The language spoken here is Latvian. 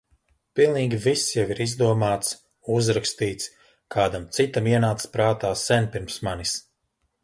Pilnīgi viss jau ir izdomāts, uzrakstīts, kādam citam ienācis prātā sen pirms manis.